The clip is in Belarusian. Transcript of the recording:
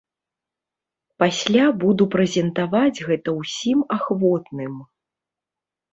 Пасля буду прэзентаваць гэта ўсім ахвотным.